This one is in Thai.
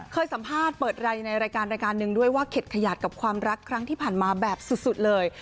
เคยสัมภาษณ์เปิดไรในรายการรายการหนึ่งด้วยว่าเข็ดขยาดกับความรักครั้งที่ผ่านมาแบบสุดเลย